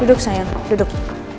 duduk sayang duduk